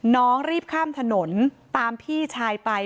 น้องรีบข้ามถนนตามพี่ชายไป